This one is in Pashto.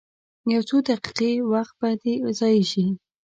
یو څو دقیقې وخت به دې ضایع شي.